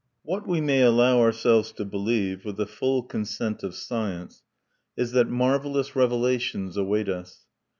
What we may allow ourselves to believe, with the full consent of Science, is that marvelous revelations await us.